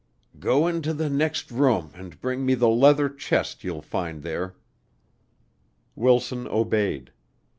"Go into the next room and bring me the leather chest you'll find there." Wilson obeyed.